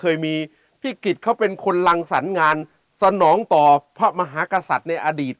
เคยมีพี่กิจเขาเป็นคนรังสรรงานสนองต่อพระมหากษัตริย์ในอดีต